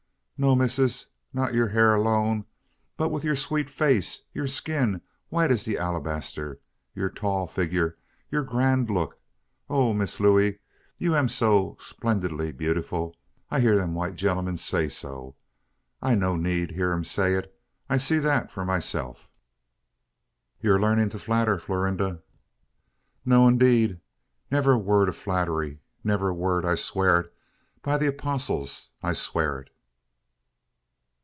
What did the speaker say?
"No, missa not you hair alone but wif you sweet face you skin, white as de alumbaster you tall figga you grand look. Oh, Miss Looey, you am so 'plendidly bewful! I hear de white gen'l'm say so. I no need hear em say it. I see dat for masef." "You're learning to flatter, Florinda." "No, 'deed, missa ne'er a word ob flattery ne'er a word, I swa it. By de 'postles, I swa it."